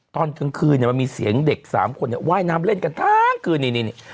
ตอนกลางคืนเนี่ยมันมีเสียงเด็ก๓คนว่ายน้ำเล่นกันทั้งคืนนี่